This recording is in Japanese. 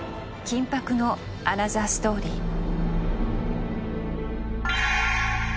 緊迫のアナザーストーリー。